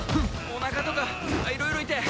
おなかとかいろいろ痛え！